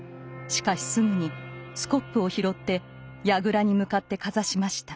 しかしすぐにスコップを拾ってやぐらに向かってかざしました。